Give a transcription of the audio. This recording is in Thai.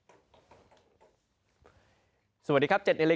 อากาศหละครับสวัสดีครับเจ็ดใน